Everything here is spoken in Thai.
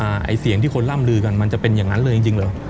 ไอ้เสียงที่คนล่ำลือกันมันจะเป็นอย่างนั้นเลยจริงจริงเหรอ